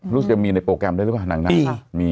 รู้สึกว่ามีในโปรแกรมได้หรือเปล่านางนาก